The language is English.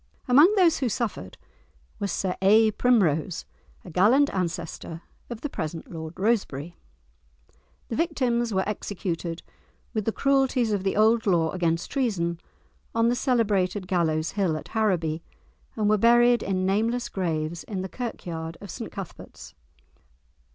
Among those who suffered was Sir A. Primrose, a gallant ancestor of the present Lord Rosebery. The victims were executed, with the cruelties of the old law against treason, on the celebrated Gallows Hill, at Harraby, and were buried in nameless graves in the Kirkyard of St Cuthbert's.